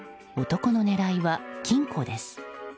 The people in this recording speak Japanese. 男の狙いは、金庫です。